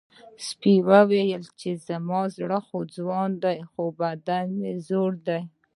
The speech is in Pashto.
سپي وویل چې زما زړه ځوان دی خو بدن مې زوړ دی.